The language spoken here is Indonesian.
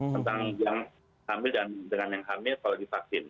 tentang yang hamil dan yang hamil kalau divaksin